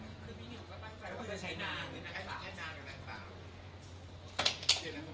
ก็เดี๋ยวรอดูเลิกอีกทีค่ะ